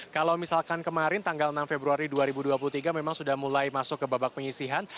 kalau misalkan kemarin tanggal enam februari dua ribu dua puluh tiga memang sudah mulai masuk ke babak penyisihan